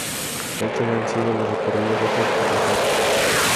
Estos han sido los recorridos hechos por los Arco.